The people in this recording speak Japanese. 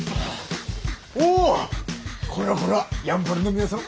おこれはこれはやんばるの皆さん